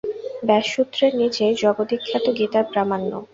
ব্যাসসূত্রের নীচেই জগদ্বিখ্যাত গীতার প্রামাণ্য।